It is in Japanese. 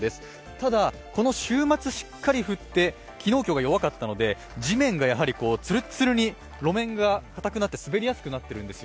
ただ、この週末しっかり降って、昨日、今日が弱かったので地面がつるっつるに路面がかたくなって滑りやすくなっています。